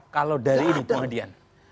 kalau dari ini bu hadian